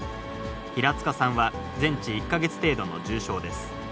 平塚さんは全治１か月程度の重傷です。